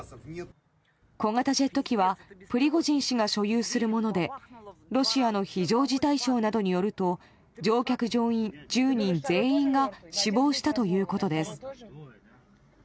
小型ジェット機はプリゴジン氏が所有するものでロシアの非常事態省などによると乗客・乗員１０人全員が死亡したということです。